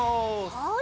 はい。